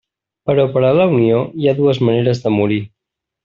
Però per a la Unió hi ha dues maneres de morir.